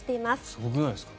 すごくないですか？